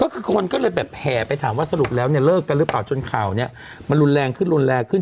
ก็คือคนก็เลยแบบแห่ไปถามว่าสรุปแล้วเนี่ยเลิกกันหรือเปล่าจนข่าวนี้มันรุนแรงขึ้นรุนแรงขึ้น